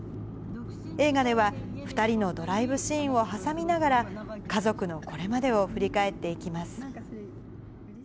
映画では、２人のドライブシーンを挟みながら、家族のこれまでを振り返っていきます。